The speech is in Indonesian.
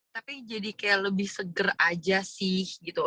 tapi jadi kayak lebih seger aja sih gitu